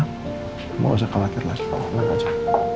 kamu gak usah khawatir lagi aman aja